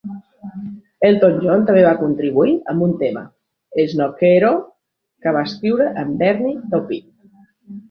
Elton John també va contribuir amb un tema, "Snookeroo", que va escriure amb Bernie Taupin.